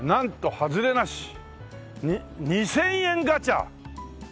ハズレなし！！」に「２０００円ガチャ」！？